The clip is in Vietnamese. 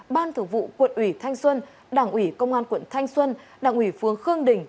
ban thường vụ quận ủy thanh xuân đảng ủy công an quận thanh xuân đảng ủy phương khương đình